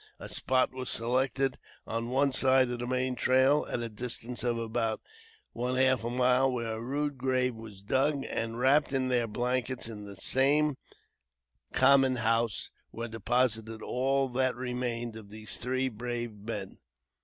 A spot was selected on one side of the main trail, at a distance of about one half mile, where a rude grave was dug, and, wrapped in their blankets, in the same common house, were deposited all that remained of these three brave men.